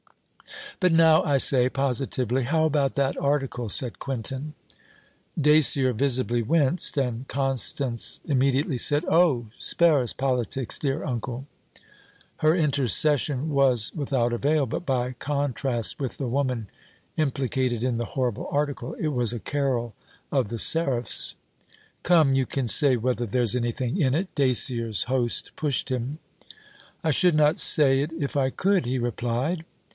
'But now, I say, positively, how about that article?' said Quintin. Dacier visibly winced, and Constance immediately said 'Oh! spare us politics, dear uncle.' Her intercession was without avail, but by contrast with the woman implicated in the horrible article, it was a carol of the seraphs. 'Come, you can say whether there's anything in it,' Dacier's host pushed him. 'I should not say it if I could,' he replied.